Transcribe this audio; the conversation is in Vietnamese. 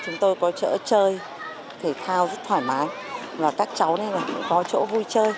chúng tôi có chỗ chơi thể thao rất thoải mái và các cháu này là có chỗ vui chơi